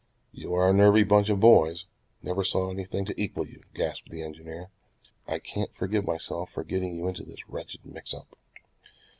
"You are a nervy bunch of boys. Never saw anything to equal you," gasped the engineer. "I can't forgive myself for getting you into this wretched mix up."